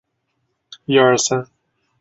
指令操作和编码